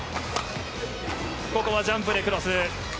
ここはジャンプでクロス。